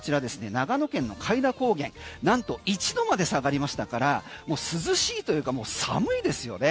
長野県の開田高原なんと１度まで下がりましたからもう涼しいというかもう寒いですよね。